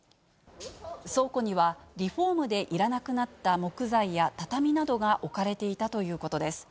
倉庫には、リフォームでいらなくなった木材や畳などが置かれていたということです。